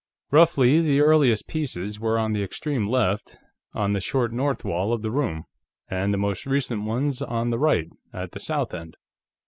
Roughly, the earliest pieces were on the extreme left, on the short north wall of the room, and the most recent ones on the right, at the south end.